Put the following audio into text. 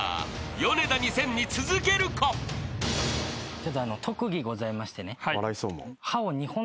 ちょっとあのう特技ございましてね。